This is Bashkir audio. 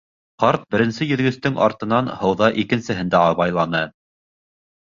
Ҡарт беренсе йөҙгөстөң артынан һыуҙа икенсеһен дә абайланы.